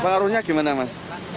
harusnya gimana mas